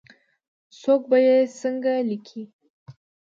څوک به یې څنګه لیکې ؟